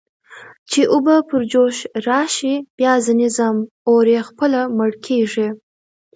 چې اوبه پر جوش راشي، بیا ځنې ځم، اور یې خپله مړ کېږي.